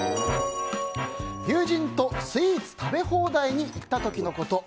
友人とスイーツ食べ放題に行った時のこと。